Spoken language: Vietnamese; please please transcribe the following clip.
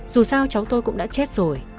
dù sao cháu tôi cũng đã chết rồi